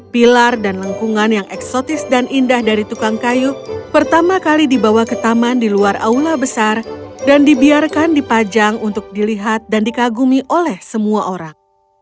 pilar dan lengkungan yang eksotis dan indah dari tukang kayu pertama kali dibawa ke taman di luar aula besar dan dibiarkan dipajang untuk dilihat dan dikagumi oleh semua orang